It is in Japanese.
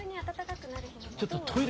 ちょっとトイレ。